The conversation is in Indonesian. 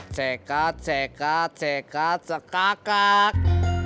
cekat cekat cekat cekakak